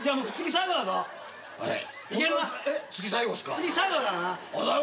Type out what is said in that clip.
はい。